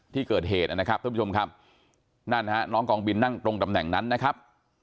ที่เกิดเหตุนะครับท่านผู้ชมครับนั่นฮะน้องกองบินนั่งตรงตำแหน่งนั้นนะครับ